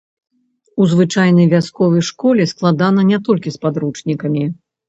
У звычайнай вясковай школе складана не толькі з падручнікамі.